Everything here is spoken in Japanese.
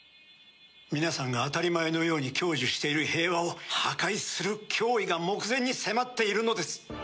「皆さんが当たり前のように享受している平和を破壊する脅威が目前に迫っているのです！」